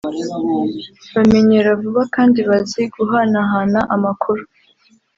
bamenyera vuba kandi bazi guhanahana amakuru